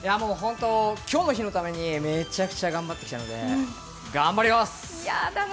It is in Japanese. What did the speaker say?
今日の日のためにめちゃくちゃ頑張ってきたので、頑張ります。